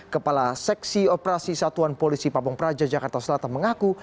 kepala seksi operasi satuan polisi pabong praja jakarta selatan mengaku